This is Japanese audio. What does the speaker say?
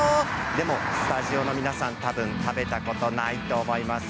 でもスタジオの皆さん多分、食べたことないと思います。